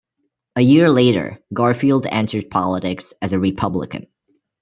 A year later, Garfield entered politics as a Republican.